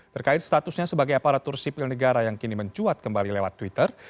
terkait statusnya sebagai aparatur sipil negara yang kini mencuat kembali lewat twitter